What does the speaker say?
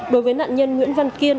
đối với nạn nhân nguyễn văn kiên